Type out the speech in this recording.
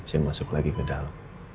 saya masuk lagi ke dalam